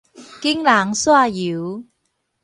揀人撒油